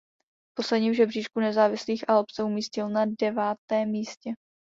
V posledním žebříčku nezávislých alb se umístil na devátém místě.